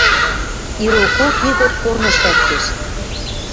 Ирокок Игорь корныш лӓктеш.